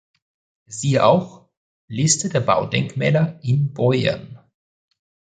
Siehe auch: Liste der Baudenkmäler in Beuern